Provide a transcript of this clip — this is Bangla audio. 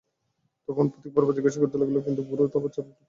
তখন পথিক বার বার জিজ্ঞাসা করতে লাগল, কিন্তু বুড়ো তবু চুপ করে রইল।